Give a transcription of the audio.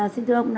xin thưa ông